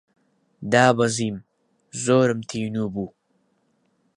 دابەزیم، زۆرم تینوو بوو